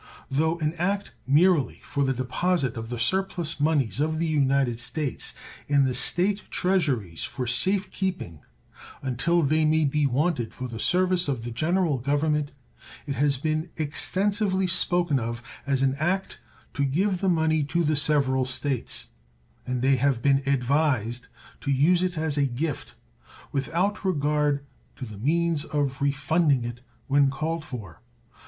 Though an act merely for the deposit of the surplus moneys of the United States in the State treasuries for safe keeping until they may be wanted for the service of the General Government, it has been extensively spoken of as an act to give the money to the several States, and they have been advised to use it as a gift, without regard to the means of refunding it when called for.